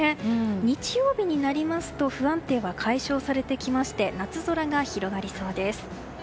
日曜日になりますと不安定は解消されてきまして夏空が広がりそうです。